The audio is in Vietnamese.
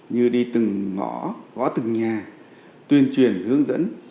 như đi từng ngõ gõ từng nhà tuyên truyền hướng dẫn